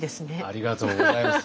ありがとうございます。